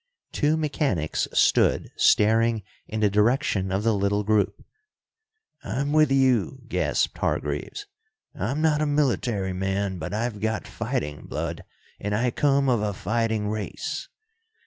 Two mechanics stood staring in the direction of the little group. "I'm with you," gasped Hargreaves. "I'm not a military man, but I've got fighting blood, and I come of a fighting race."